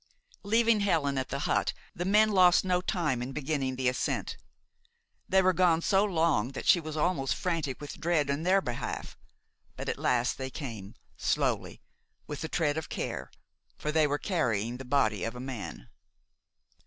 Leaving Helen at the hut, the men lost no time in beginning the ascent. They were gone so long that she was almost frantic with dread in their behalf; but at last they came, slowly, with the tread of care, for they were carrying the body of a man.